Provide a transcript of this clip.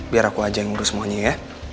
biar aku aja yang urus maunya ya